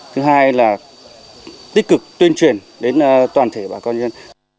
thứ hai là tích cực tuyên truyền đến toàn thể bà con nhân